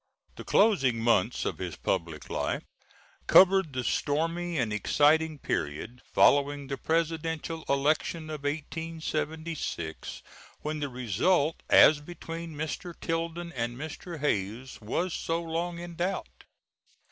The closing months of his public life covered the stormy and exciting period following the Presidential election of 1876, when the result as between Mr. Tilden and Mr. Hayes was so long in doubt.